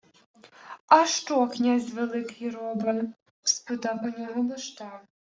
— А що князь Великий робе? — спитав у нього Бощан.